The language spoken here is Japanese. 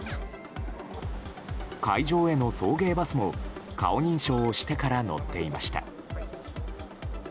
会場への送迎バスも顔認証をしてから乗っていました。